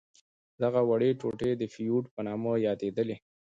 دغه وړې ټوټې د فیوډ په نامه یادیدلې.